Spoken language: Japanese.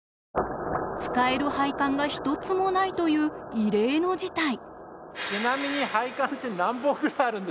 使える配管が一つもないという異例の事態。